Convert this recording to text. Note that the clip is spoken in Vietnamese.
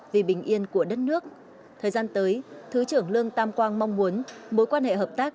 vì bình yên của đất nước thời gian tới thứ trưởng lương tam quang mong muốn mối quan hệ hợp tác